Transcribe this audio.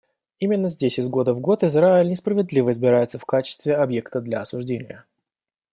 Именно здесь из года в год Израиль несправедливо избирается в качестве объекта для осуждения.